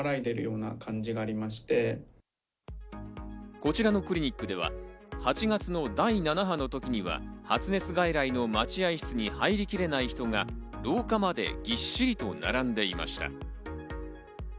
こちらのクリニックでは、８月の第７波の時には発熱外来の待合室に入りきれない人が廊下まで、ぎっしりと並んでいました。